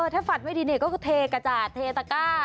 ถ้าฝัดไม่ดีก็คือเทกระจาดเทตะก้า